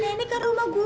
ini kan rumah gua